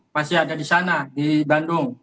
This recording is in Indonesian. masih ada di sana di bandung